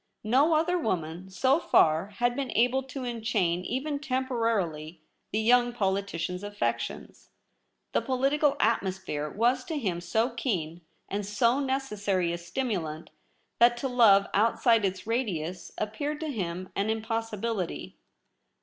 No other woman, so far, had been able to enchain even temporarily the young politician's affections. The political atmo sphere was to him so keen and so necessary a stimulant, that to love outside its radius appeared to him an impossibility.